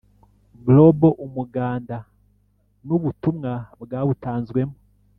Global umuganda n ubutumwa bwawutanzwemo